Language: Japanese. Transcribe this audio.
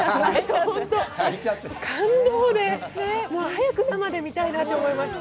感動で、早く生で見たいなと思いました。